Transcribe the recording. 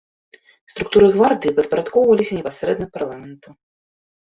Структуры гвардыі падпарадкоўваліся непасрэдна парламенту.